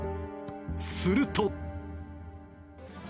すると。